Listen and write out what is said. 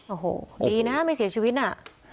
โอ้โหดีนะไม่เสียชีวิตน่ะ